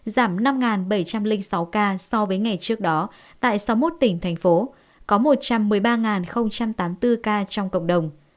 giảm năm bảy trăm linh sáu ca so với ngày trước đó tại sáu mươi một tỉnh thành phố có một trăm một mươi ba tám mươi bốn ca trong cộng đồng